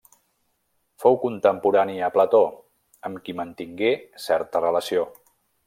Fou contemporani a Plató, amb qui mantingué certa relació.